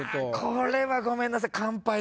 これはごめんなさい。